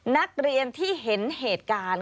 นักเรียนที่เห็นเหตุการณ์